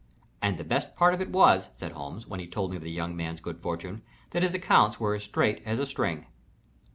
"And the best part of it was," said Holmes, when he told me of the young man's good fortune, "that his accounts were as straight as a string."